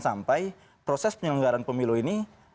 sampai proses penyelenggaraan pemilu ini